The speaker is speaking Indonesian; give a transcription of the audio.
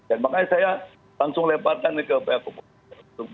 dan makanya saya langsung leparkan ke pihak kebun